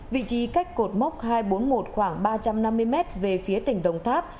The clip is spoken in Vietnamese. vị trí cách cột mốc hai trăm bốn mươi một khoảng ba trăm năm mươi m về phía tỉnh đồng tháp